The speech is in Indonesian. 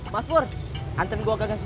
mas pur hantar gue ke gagas sembilan ya